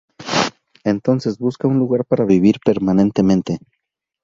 Entonces busca un lugar para vivir permanentemente.